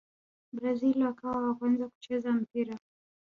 brazil wakawa wa kwanza kucheza mpira